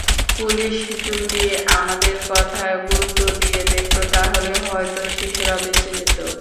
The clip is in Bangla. পুলিশ যদি আমাদের কথায় গুরুত্ব দিয়ে দেখত, তাহলে হয়তো শিশুরা বেঁচে যেত।